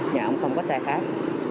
nhà ông không có xe khác